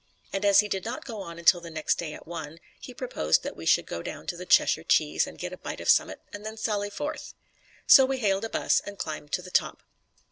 And as he did not go on until the next day at one, he proposed that we should go down to The Cheshire Cheese and get a bite of summat and then sally forth. So we hailed a bus and climbed to the top.